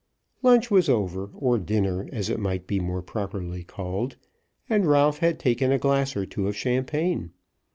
Lunch was over, or dinner, as it might be more properly called, and Ralph had taken a glass or two of champagne.